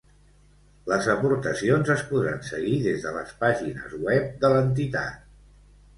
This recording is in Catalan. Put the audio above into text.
Les aportacions es podran seguir des de les pàgines web de l’entitat.